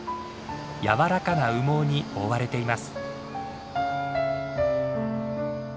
柔らかな羽毛に覆われています。